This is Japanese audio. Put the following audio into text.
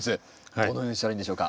どのようにしたらいいんでしょうか？